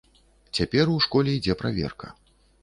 Цяпер ў школе ідзе праверка.